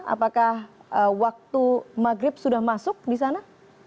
apakah waktu maghrib sudah masuk di sana